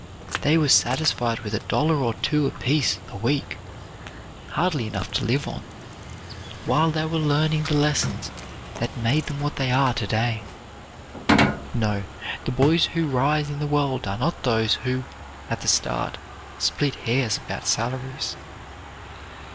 They were satisfied with a dollar or two apiece a week, hardly enough to live on, while they were learning the lessons that made them what they are to day. No, the boys who rise in the world are not those who, at the start, split hairs about salaries.